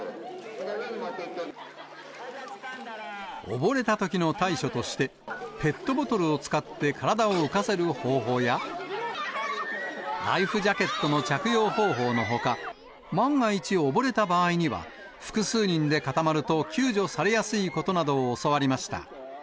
溺れたときの対処として、ペットボトルを使って体を浮かせる方法や、ライフジャケットの着用方法のほか、万が一溺れた場合には、複数人で固まると救助されやすいことなどを教わりました。